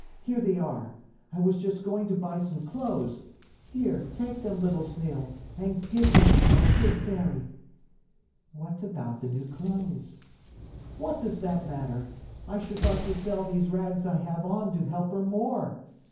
Here they are. I was just going to buy some clothes. Here, take them, little Snail, and give them to my good Fairy." "What about the new clothes?" "What does that matter? I should like to sell these rags I have on to help her more.